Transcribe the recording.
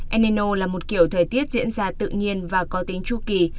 enino là một kiểu thời tiết diễn ra tự nhiên và có tính chu kỳ